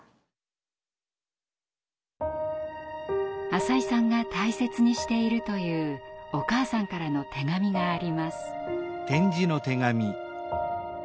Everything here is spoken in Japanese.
浅井さんが大切にしているというお母さんからの手紙があります。